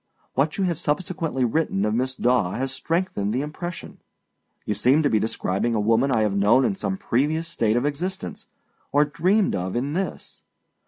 What you have subsequently written of Miss Daw has strengthened the impression. You seem to be describing a woman I have known in some previous state of existence, or dreamed of in this.